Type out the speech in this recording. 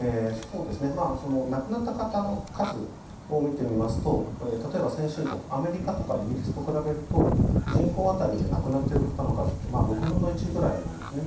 亡くなった方の数を見てみますと例えば、先進国アメリカとかイギリスと比べると人口当たりで亡くなっている方の数は６分の１くらいなんですね。